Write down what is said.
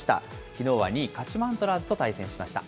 きのうは２位鹿島アントラーズと対戦しました。